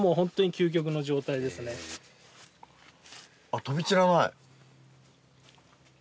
あっ飛び散らない。